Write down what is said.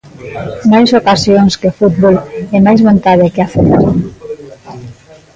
Máis ocasións que fútbol e máis vontade que acerto.